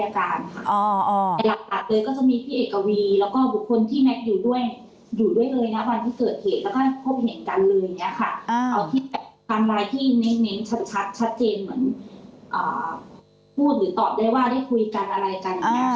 เอาที่ทำอะไรที่เน้นชัดชัดเจนเหมือนพูดหรือตอบได้ว่าได้คุยกันอะไรกัน